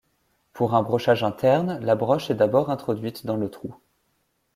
Pour un brochage interne, la broche est d'abord introduite dans le trou.